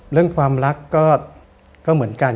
เรื่องความรักก็เหมือนกัน